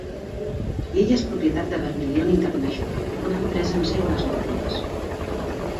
L'illa és propietat de Vermilion International, una empresa amb seu a les Maldives.